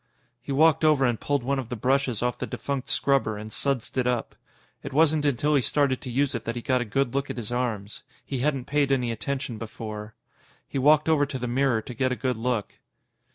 He walked over and pulled one of the brushes off the defunct scrubber and sudsed it up. It wasn't until he started to use it that he got a good look at his arms. He hadn't paid any attention before. He walked over to the mirror to get a good look.